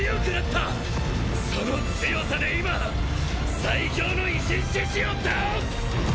その強さで今最強の維新志士を倒す！